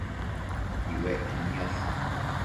Tsiuecquid niosh